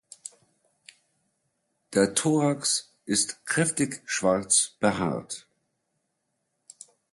Der Thorax ist kräftig schwarz behaart.